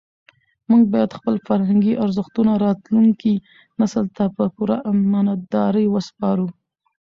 موږ باید خپل فرهنګي ارزښتونه راتلونکي نسل ته په پوره امانتدارۍ وسپارو.